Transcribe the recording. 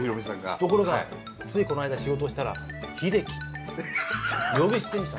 ところがついこの間仕事をしたら「五郎」って言った。